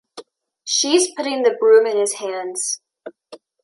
She is putting the broom in his hands.